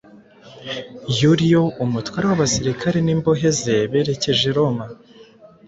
Yuliyo, umutware w’abasirikare n’imbohe ze berekeje i Roma.